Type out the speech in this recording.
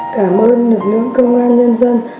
cảm ơn lực lượng công an nhân dân